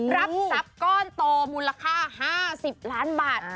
รับทรัพย์ก้อนโตมูลค่า๕๐ล้านบาท